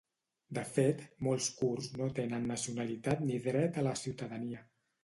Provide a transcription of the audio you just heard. De fet, molts kurds no tenen nacionalitat ni dret a la ciutadania.